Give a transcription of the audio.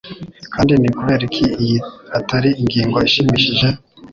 Kandi ni ukubera iki iyi atari ingingo ishimishije?